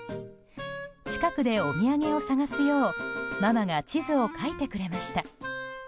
近くでお土産を探すようママが地図を描いてくれました。